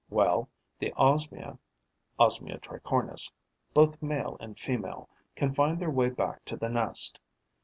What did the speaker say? Well, the Osmiae (Osmia tricornis), both male and female, can find their way back to the nest.